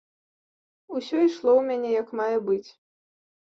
Усё ішло ў мяне як мае быць.